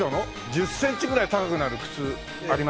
１０センチぐらい高くなる靴あります？